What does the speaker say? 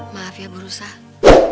maaf ya berusaha